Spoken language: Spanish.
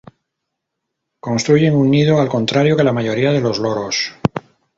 Construyen un nido, al contrario que la mayoría de los loros.